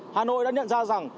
hà nội đã nhận ra rằng